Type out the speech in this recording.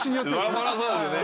そりゃあそうですよね。